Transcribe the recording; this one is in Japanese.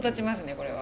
これは。